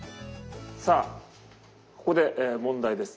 さあここで問題です。